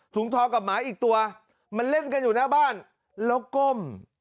ทองกับหมาอีกตัวมันเล่นกันอยู่หน้าบ้านแล้วก้ม